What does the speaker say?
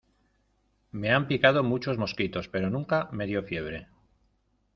me han picado muchos mosquitos, pero nunca me dio fiebre.